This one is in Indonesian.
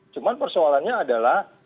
cuman persoalannya adalah